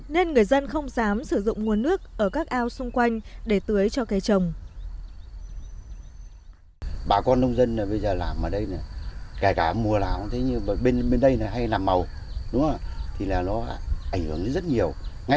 nên người dân không dám sử dụng nguồn nước ở các ao xung quanh để tưới cho cây trồng